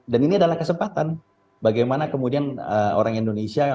dan ini adalah kesempatan bagaimana kemudian orang indonesia